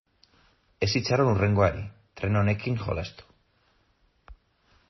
Ez itxaron hurrengoari, tren honekin jolastu.